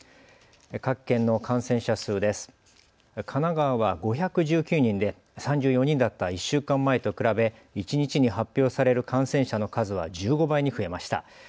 神奈川は５１９人で３４人だった１週間前と比べ一日に発表される感染者の数は１５倍に増えました。